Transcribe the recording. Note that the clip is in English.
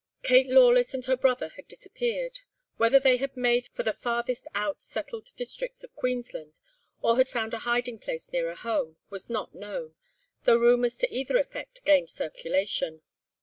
"Kate Lawless and her brother had disappeared. Whether they had made for the farthest out settled districts of Queensland, or had found a hiding place nearer home, was not known, though rumours to either effect gained circulation."